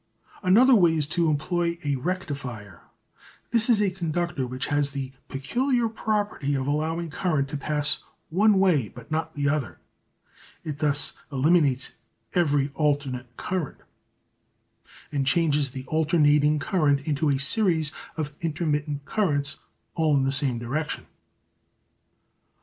Another way is to employ a "Rectifier." This is a conductor which has the peculiar property of allowing current to pass one way but not the other. It thus eliminates every alternate current and changes the alternating current into a series of intermittent currents all in the same direction.